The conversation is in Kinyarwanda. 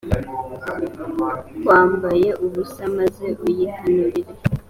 kwambaye ubusa maze uyihanurire